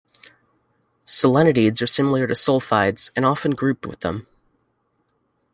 Selenides are similar to sulfides and often grouped with them.